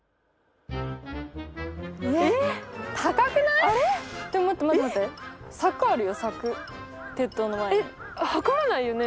えっ測れないよね。